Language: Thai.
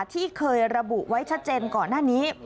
ที่เคยระบุไว้ชัดเจนก่อนหน้านี้